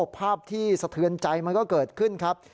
ภาพที่สะเทือนใจมันก็เกิดขึ้นครับ